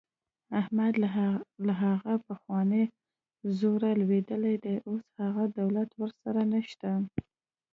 احمد له هغه پخواني زوره لوېدلی دی. اوس هغه دولت ورسره نشته.